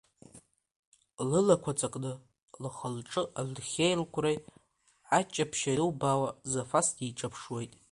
Лылақәа ҵакны, лхылҿы алахьеиқәреи аччаԥшьи анубаауа Зафас диҿаԥшуеит.